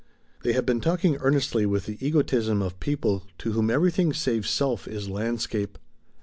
They had been talking earnestly with the egotism of people to whom everything save self is landscape.